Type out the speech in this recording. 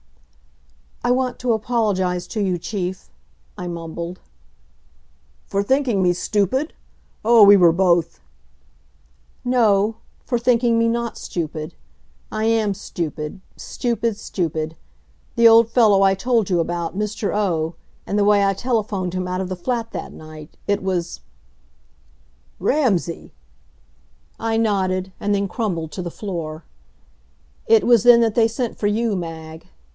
"I want to apologize to you, Chief," I mumbled. "For thinking me stupid? Oh, we were both " "No, for thinking me not stupid. I am stupid stupid stupid. The old fellow I told you about, Mr. O., and the way I telephoned him out of the flat that night it was " "Ramsay!" I nodded, and then crumbled to the floor. It was then that they sent for you, Mag.